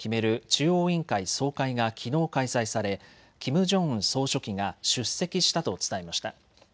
中央委員会総会がきのう開催されキム・ジョンウン総書記が出席したと伝えました。